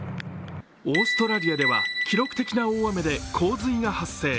オーストラリアでは記録的な大雨で洪水が発生。